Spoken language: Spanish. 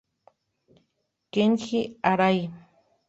Kenji Arai